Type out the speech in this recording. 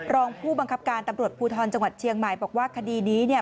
รองผู้บังคับการตำรวจภูทรจังหวัดเชียงใหม่บอกว่าคดีนี้เนี่ย